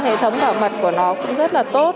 hệ thống bảo mật của nó cũng rất là tốt